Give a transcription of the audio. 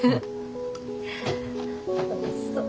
おいしそう。